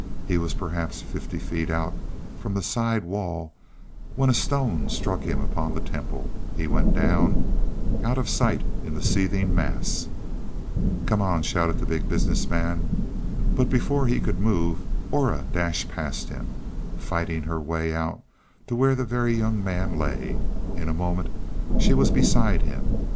He was perhaps fifty feet out from the side wall when a stone struck him upon the temple. He went down, out of sight in the seething mass. "Come on," shouted the Big Business Man. But before he could move, Aura dashed past him, fighting her way out to where the Very Young Man lay. In a moment she was beside him.